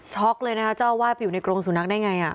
ช็อกเลยนะครับเจ้าวาดไปอยู่ในกรงสุนัขได้ไง